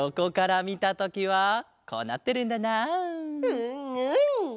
うんうん！